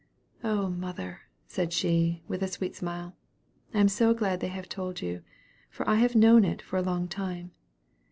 'Oh, mother,' said she, with a sweet smile, 'I am so glad they have told you, for I have known it for a long time.